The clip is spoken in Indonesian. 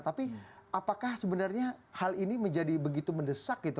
tapi apakah sebenarnya hal ini menjadi begitu mendesak gitu